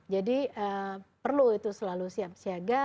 jadi perlu itu selalu siap siaga